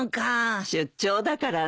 出張だからね。